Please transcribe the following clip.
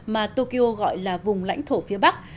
mà tokyo gọi là vùng lãnh thổ phía bắc